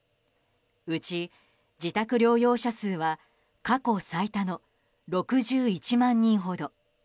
うち自宅療養者数は過去最多の６１万人ほど。